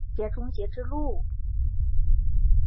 这是世界终结之路。